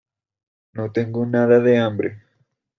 No tengo nada de hambre.